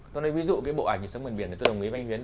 tôi nói ví dụ cái bộ ảnh sống miền biển này tôi đồng ý vay huyến